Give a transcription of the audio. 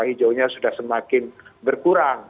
hijaunya sudah semakin berkurang